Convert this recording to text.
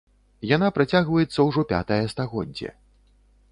Яна працягваецца ўжо пятае стагоддзе.